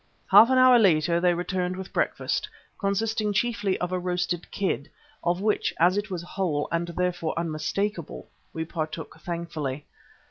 Half an hour later they returned with breakfast, consisting chiefly of a roasted kid, of which, as it was whole, and therefore unmistakable, we partook thankfully.